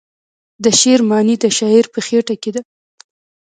د شعر معنی د شاعر په خیټه کې ده .